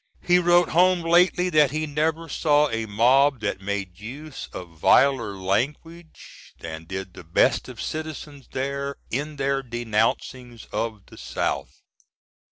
He wrote home lately that he never saw a mob that made use of viler language than did the best of citizens there in their denouncings of the South.